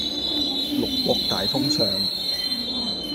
六國大封相